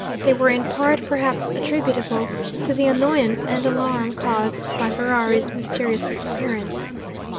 They were in part perhaps attributable to the annoyance and alarm caused by Ferrari's mysterious disappearance.